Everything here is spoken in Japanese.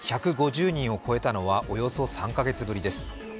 １５０人を超えたのはおよそ３カ月ぶりです。